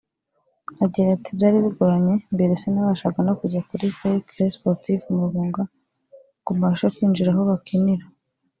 Agira ati “Byari bigoranye mbere sinabashaga no kujya kuri Cercle Sportif mu Rugunga ngo mbashe kwinjira aho bakinira